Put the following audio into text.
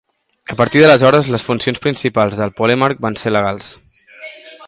A partir d'aleshores les funcions principals del polemarc van ser legals.